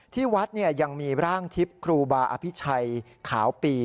ที่วัดยังมีร่างทิพย์ครูบาอภิชัยขาวปี